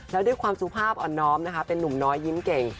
แล้วด้วยความสุภาพอ่อนน้อมนะคะเป็นนุ่มน้อยยิ้มเก่ง